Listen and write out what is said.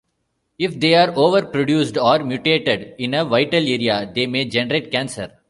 If they are overproduced or mutated in a vital area, they may generate cancer.